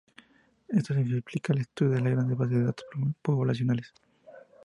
Esto simplifica el estudio de grandes bases de datos poblacionales.